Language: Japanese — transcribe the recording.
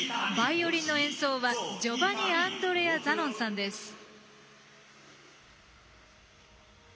バイオリンの演奏はジョバニアンドレア・ザノンさんです。